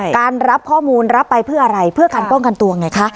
การรับข้อมูลรับไปเพื่ออะไรเพื่อการป้องกันตัวไงคะ